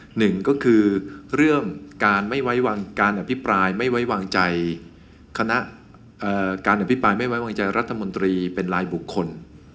หนึ่งก็คือเรื่องการอภิปรายไม่ไว้วางใจรัฐมนตรีเป็นลายบุคคล